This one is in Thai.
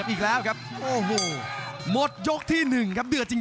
รับทราบบรรดาศักดิ์